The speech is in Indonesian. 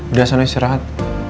udah sana istirahat